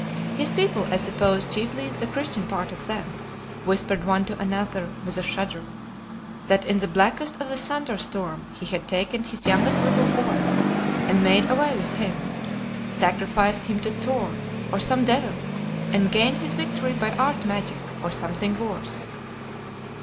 His people, I suppose chiefly the Christian part of them, whispered one to another, with a shudder, "That in the blackest of the thunder storm, he had taken his youngest little boy, and made away with him; sacrificed him to Thor or some devil, and gained his victory by art magic, or something worse."